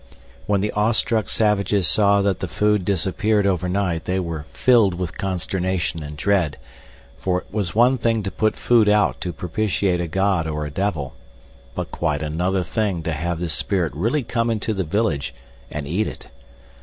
When the awe struck savages saw that the food disappeared overnight they were filled with consternation and dread, for it was one thing to put food out to propitiate a god or a devil, but quite another thing to have the spirit really come into the village and eat it.